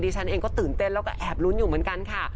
ดิฉันเองก็ตื่นเต้นแอบรุ้นอยู่เหมือนกันค่ะ